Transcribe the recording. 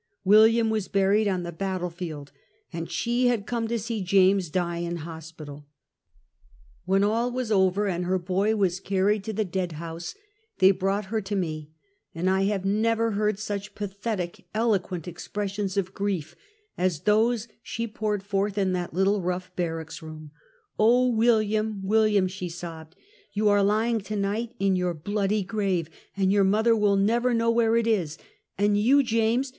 William was buried on the battle field, and she had come to see James die in hospital. When all was over and her boy was carried to the dead house, they brought her to me, and I have never heard such pathetic, eloquent expressions of grief as those she poured forth in that little, rough, barrach roora. "Oh, William! William!" she sobbed, "You are lying, to night, in your bloody grave, and your mother will never know where it is! and you, James!